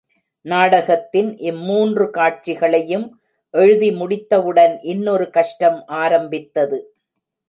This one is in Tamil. நாடகத்தின் இம் மூன்று காட்சிகளையும் எழுதி முடித்தவுடன் இன்னொரு கஷ்டம் ஆரம்பித்தது.